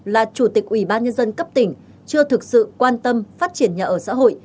là chủ tịch ủy ban nhân dân cấp tỉnh chưa thực sự quan tâm phát triển nhà ở xã hội